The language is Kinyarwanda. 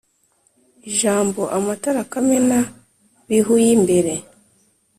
Ijambo "amatara kamena-bihu y'imbere"